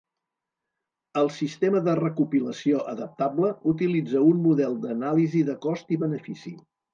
El sistema de recopilació adaptable utilitza un model d'anàlisi de cost i benefici.